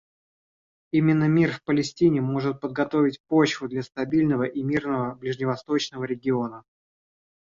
Именно мир в Палестине может подготовить почву для стабильного и мирного ближневосточного региона.